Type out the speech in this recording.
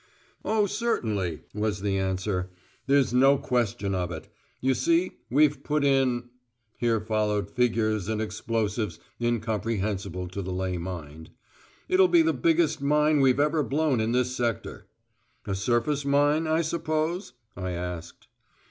"Oh, certainly," was the answer. "There's no question of it. You see, we've put in" (here followed figures and explosives incomprehensible to the lay mind). "It'll be the biggest mine we've ever blown in this sector." "A surface mine, I suppose?" I asked.